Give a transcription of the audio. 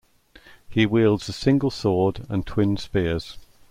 He wields a single sword and twin spears.